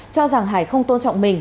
cho rằng hải không tôn trọng mình